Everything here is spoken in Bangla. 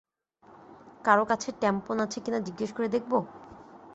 কারো কাছে ট্যাম্পন আছে কিনা জিজ্ঞেস করে দেখবো?